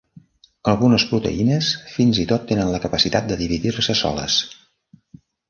Algunes proteïnes fins i tot tenen la capacitat de dividir-se soles.